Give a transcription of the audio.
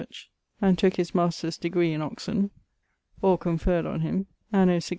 Ch. and tooke his Master's degree in Oxon (or conferred on him) anno 1619.